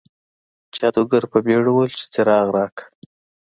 جادوګر په بیړه وویل چې څراغ راکړه.